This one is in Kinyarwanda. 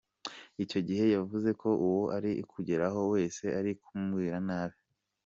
Icyo gihe yavuze ko uwo ari kugeraho wese ari kumubwira nabi.